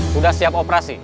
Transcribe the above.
sudah siap operasi